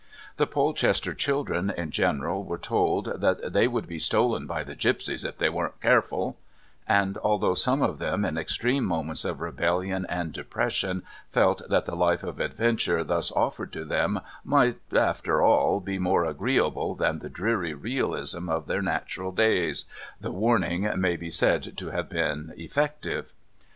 The Polchester children in general were told that "they would be stolen by the gipsies if they weren't careful," and, although some of them in extreme moments of rebellion and depression felt that the life of adventure thus offered to them, might, after all, be more agreeable than the dreary realism of their natural days, the warning may be said to have been effective.